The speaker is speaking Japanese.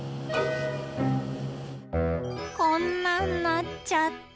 こんなんなっちゃった。